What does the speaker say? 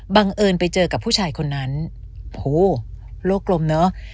เอิญไปเจอกับผู้ชายคนนั้นโหโลกกลมเนอะ